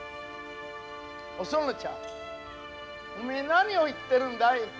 お園ちゃんおめえ何を言ってるんだい？